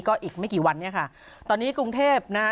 ก็อีกไม่กี่วันเนี่ยค่ะตอนนี้กรุงเทพนะฮะ